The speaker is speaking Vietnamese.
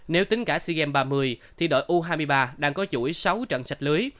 nếu tính cả sea games ba mươi thì đội u hai mươi ba đang có chuỗi sáu trận sạch lưới